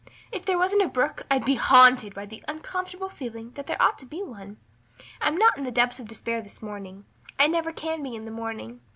If there wasn't a brook I'd be haunted by the uncomfortable feeling that there ought to be one. I'm not in the depths of despair this morning. I never can be in the morning.